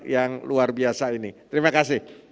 yang luar biasa ini terima kasih